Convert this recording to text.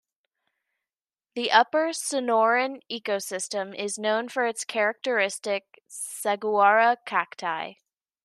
The Upper Sonoran ecosystem is known for its characteristic saguaro cacti.